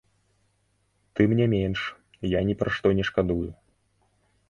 Тым не менш, я ні пра што не шкадую.